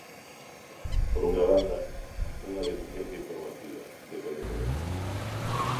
Por unha banda, unha deficiencia informativa, de coñecemento.